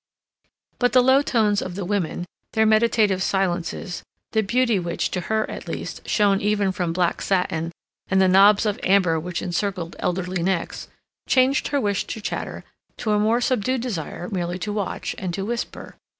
But the low tones of the women, their meditative silences, the beauty which, to her at least, shone even from black satin and the knobs of amber which encircled elderly necks, changed her wish to chatter to a more subdued desire merely to watch and to whisper.